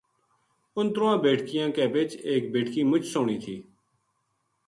ان تُرواں بیٹکیاں کے بِچ ایک بیٹکی مچ سوہنی تھی